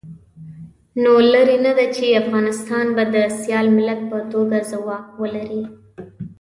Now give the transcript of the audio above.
نو لرې نه ده چې افغانستان به د سیال ملت په توګه ځواک ولري.